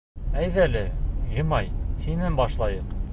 Әйҙәле, Ғимай, һинән башлайыҡ.